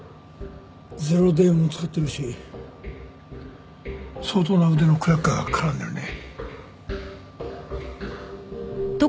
ゼロデイも使ってるし相当な腕のクラッカーが絡んでるね。